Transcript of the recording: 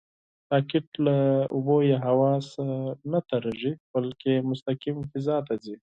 راکټ له اوبو یا هوا نه نهتېرېږي، بلکې مستقیم فضا ته ځي